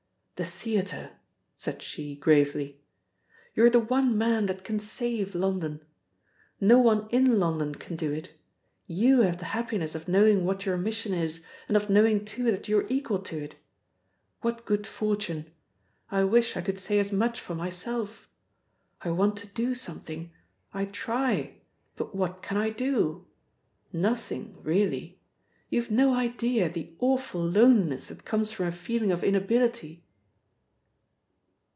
"The theatre," said she gravely. "You're the one man that can save London. No one in London can do it! ... You have the happiness of knowing what your mission is, and of knowing too that you are equal to it. What good fortune! I wish I could say as much for myself. I want to do something! I try! But what can I do? Nothing really! You've no idea of the awful loneliness that comes from a feeling of inability."